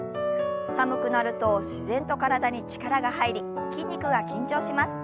寒くなると自然と体に力が入り筋肉が緊張します。